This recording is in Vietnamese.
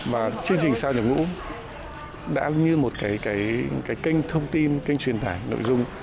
và chương trình sau nhập ngũ đã như một cái kênh thông tin kênh truyền tải nội dung